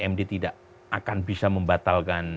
md tidak akan bisa membatalkan